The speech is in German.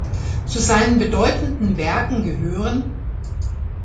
Zu seinen bedeutenden Werken gehören